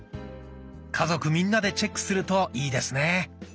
家族みんなでチェックするといいですね。